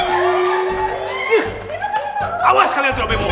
ih awas kalian trio bembo